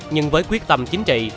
nhưng với quyết tâm chính trị